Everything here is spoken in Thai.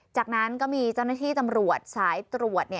จากนั้นก็มีเจ้าหน้าที่ตำรวจสายตรวจ